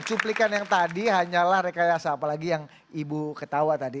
cuplikan yang tadi hanyalah rekayasa apalagi yang ibu ketawa tadi